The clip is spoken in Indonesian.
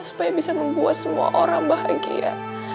supaya bisa membuat semua orang bahagia